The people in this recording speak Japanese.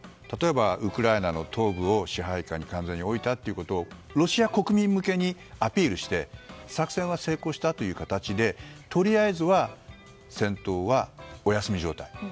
例えばウクライナの東部を支配下に完全に置いたとロシア国民向けにアピールして作戦は成功したという形でとりあえずは戦闘はお休み状態。